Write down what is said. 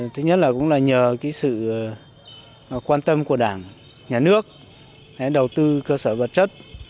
thứ nhất là cũng là nhờ sự quan tâm của đảng nhà nước đầu tư cơ sở vật chất